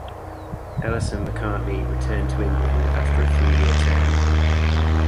Ellison-Macartney returned to England after a three-year term.